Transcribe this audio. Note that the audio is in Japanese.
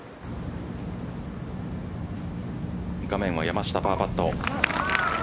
画面は山下パーパット。